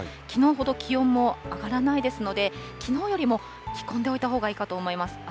きのうほど気温も上がらないですので、きのうよりも着込んでおいたほうがいいかと思います。